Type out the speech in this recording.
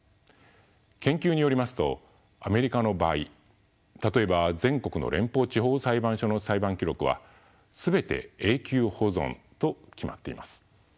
研究によりますとアメリカの場合例えば全国の連邦地方裁判所の裁判記録は全て永久保存と決まっています。